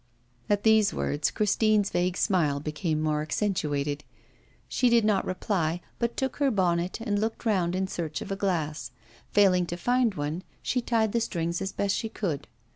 At these words, Christine's vague smile became more accentuated. She did not reply, but took her bonnet and looked round in search of a glass. Failing to find one, she tied the strings as best she could.